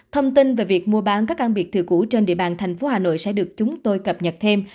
thông tin về việc mua bán các căn biệt thự cũ trên địa bàn thành phố hà nội sẽ được chúng tôi cập nhật thêm